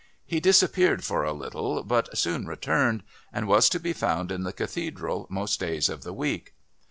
He disappeared for a little, but soon returned, and was to be found in the Cathedral most days of the week.